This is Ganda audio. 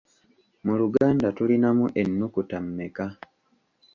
Mu Luganda tulinamu ennukuta mmeka?